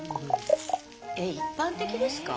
一般的ですか？